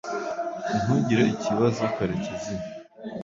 ntugire ikibazo karekezi